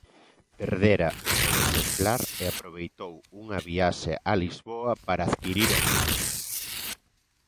Perdera o seu exemplar e aproveitou unha viaxe a Lisboa para adquirir outro.